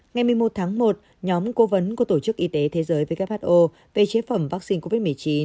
ngày một mươi một tháng một nhóm cố vấn của tổ chức y tế thế giới who về chế phẩm vaccine covid một mươi chín